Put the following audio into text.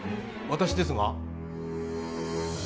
私ですが。